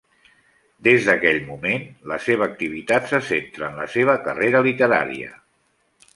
Des d'aquell moment, la seva activitat se centra en la seva carrera literària.